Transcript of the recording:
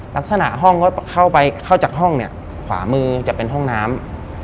ลักษณะห้องก็เข้าไปเข้าจากห้องเนี่ยขวามือจะเป็นห้องน้ำ